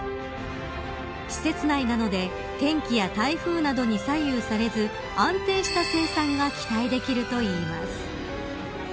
施設内なので天気や台風などに左右されず安定した生産が期待できるといいます。